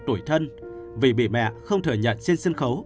tủi thân vì bị mẹ không thử nhận